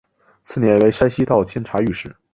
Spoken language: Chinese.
次年为山西道监察御史。